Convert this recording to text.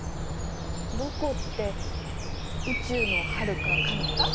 どこって宇宙のはるかかなた？